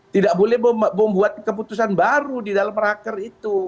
tidak boleh membuat keputusan baru di dalam raker itu